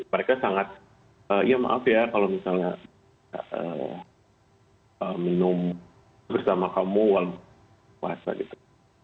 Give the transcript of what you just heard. mereka sangat ya maaf ya kalau misalnya minum bersama kamu walaupun puasa gitu